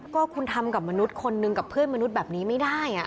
ก็คุณทำกับมนุษย์คนหนึ่งกับเพื่อนมนุษย์แบบนี้ไม่ได้